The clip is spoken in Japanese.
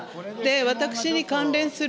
私に関連する